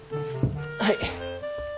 はい。